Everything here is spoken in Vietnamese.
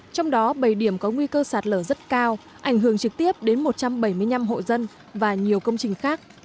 trong đó bảy điểm có nguy cơ sạt lở rất cao ảnh hưởng trực tiếp đến một trăm bảy mươi năm hộ dân và nhiều công trình khác